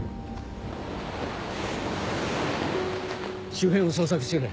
周辺を捜索してくれ。